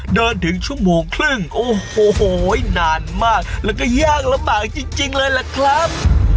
ถึงชั่วโมงครึ่งโอ้โหนานมากแล้วก็ยากลำบากจริงเลยล่ะครับ